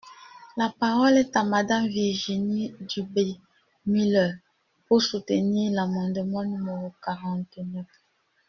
La parole est à Madame Virginie Duby-Muller, pour soutenir l’amendement numéro quarante-neuf.